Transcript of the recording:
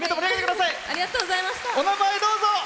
お名前、どうぞ。